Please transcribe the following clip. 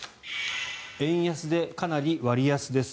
円安でかなり割安です。